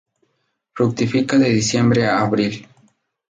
Fructifica de diciembre a abril.